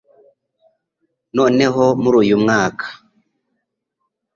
noneho muri uyu mwaka